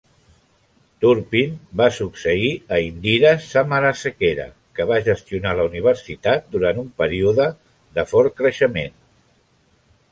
Turpin va succeir a Indira Samarasekera, que va gestionar la universitat durant un període de fort creixement.